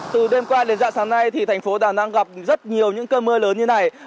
từ đêm qua đến dạng sáng nay thì thành phố đà nẵng gặp rất nhiều những cơn mưa lớn như này